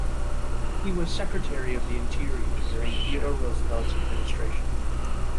He was Secretary of the Interior during Theodore Roosevelt's administration.